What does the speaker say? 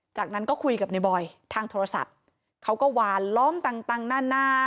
จากนั้นก็คุยกับในบอยทางโทรศัพท์เขาก็วานล้อมต่างนานา